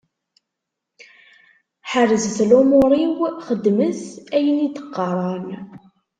Ḥerzet lumuṛ-iw, xeddmet ayen i d-qqaren.